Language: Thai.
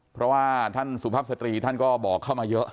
เพราะว่าท่านสุภาพสตรีท่านก็บอกเข้ามาเยอะ